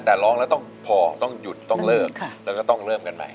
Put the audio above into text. แต่ร้องแล้วต้องพอต้องหยุดต้องเลิกแล้วก็ต้องเริ่มกันใหม่